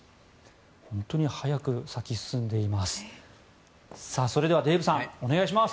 本当に早く咲き進んでいます。